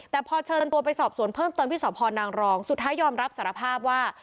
แต่พอเชิญตัวไปสอบสวนเพิ่มเติมที่สพนางรองสุดท้ายยอมรับสารภาพว่า